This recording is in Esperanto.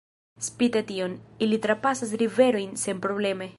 Spite tion, ili trapasas riverojn senprobleme.